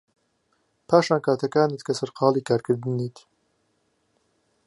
پاشان کاتەکانت کە سەرقاڵی کارکردن نیت